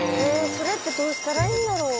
それってどうしたらいいんだろう。